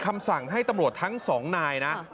คำสั่งให้ตำรวจทั้งสองนายนะ